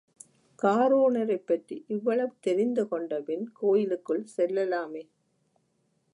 காரோணரைப் பற்றி இவ்வளவு தெரிந்து கொண்ட பின் கோயிலுக்குள் செல்லலாமே.